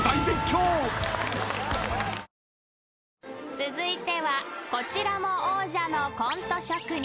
［続いてはこちらも王者のコント職人